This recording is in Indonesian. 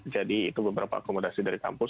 jadi itu beberapa akomodasi dari kampus